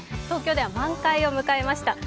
東京では満開を迎えました。